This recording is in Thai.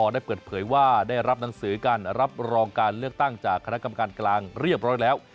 ได้เปิดเผยว่าได้รับหนังสือการรับรองการเลือกตั้งจากคณะกรรมการกลางเรียบร้อยแล้ว